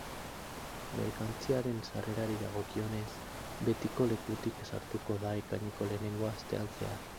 Merkantziaren sarrerari dagokionez, betiko lekutik sartuko da ekaineko lehenengo astean zehar.